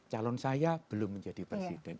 calon saya belum menjadi presiden